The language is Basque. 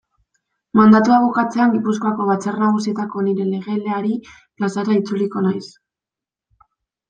Mandatua bukatzean Gipuzkoako Batzar Nagusietako nire legelari plazara itzuliko naiz.